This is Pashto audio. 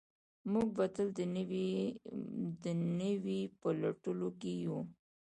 موږ به تل د نوي په لټولو کې یو.